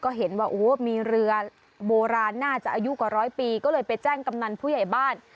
ก็เห็นว่าโอ้มีเรือโบราณน่าจะอายุกว่าร้อยปีก็เลยไปแจ้งกำนันผู้ใหญ่บ้าน